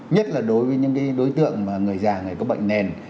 nhất là đối với những đối tượng mà người già người có bệnh nền